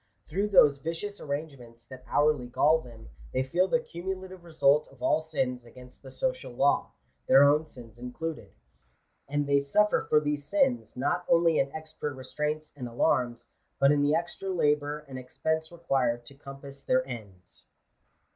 Through those vicious arrangements that hourly gall them, they feel the cumulative result of all sins against die social law ; their own sins included. And they suffer for these sins, not only in extra restraints and alarms, but in the extra labour and ex pense required to compass their ends.